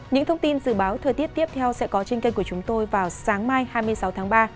những thông tin dự báo thời tiết tiếp theo sẽ có trên kênh của chúng tôi vào sáng mai hai mươi sáu tháng ba